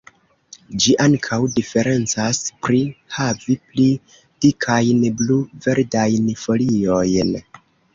Ĝi ankaŭ diferencas pri havi pli dikajn, blu-verdajn foliojn.